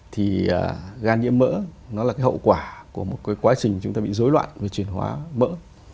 thì ga nhiễm mỡ nó là cái hậu quả của một cái quá trình chúng ta bị dối loạn về chuyển hóa mỡ